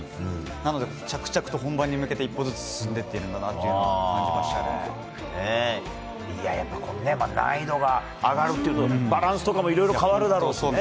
なので着々と本番に向けて一歩ずつ進んでいっていると難易度が上がるとバランスとかもいろいろ変わるだろうしね。